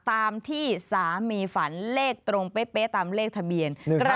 ตามที่สามีฝันเลขตรงเป๊ะตามเลขทะเบียน